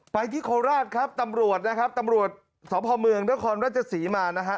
ที่โคราชครับตำรวจนะครับตำรวจสพเมืองนครราชศรีมานะฮะ